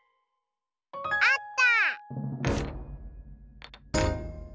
あった！